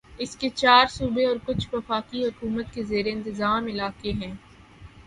اس کے چار صوبے اور کچھ وفاقی حکومت کے زیر انتظام علاقے ہیں